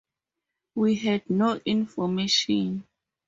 We had no information.